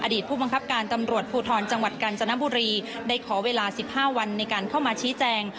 ผู้บังคับการตำรวจภูทรจังหวัดกาญจนบุรีได้ขอเวลา๑๕วันในการเข้ามาชี้แจง